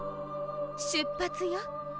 出発よ